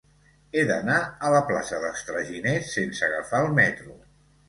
He d'anar a la plaça dels Traginers sense agafar el metro.